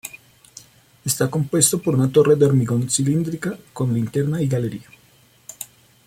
Está compuesto por una torre de hormigón cilíndrica con linterna y galería.